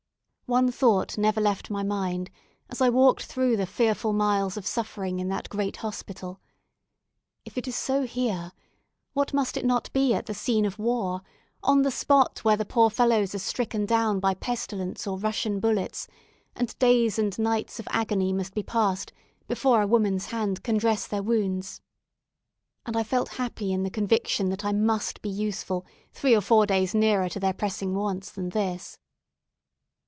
One thought never left my mind as I walked through the fearful miles of suffering in that great hospital. If it is so here, what must it not be at the scene of war on the spot where the poor fellows are stricken down by pestilence or Russian bullets, and days and nights of agony must be passed before a woman's hand can dress their wounds. And I felt happy in the conviction that I must be useful three or four days nearer to their pressing wants than this.